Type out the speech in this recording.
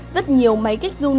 rất nhiều máy kích run